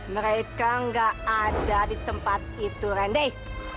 mereka gak ada di tempat itu rendy